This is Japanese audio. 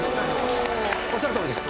おっしゃるとおりです。